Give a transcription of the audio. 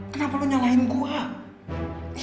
kenapa lu nyalahin gue